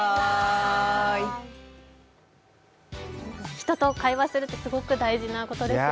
人と会話するってホント大事なことですね。